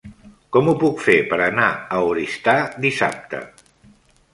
Com ho puc fer per anar a Oristà dissabte?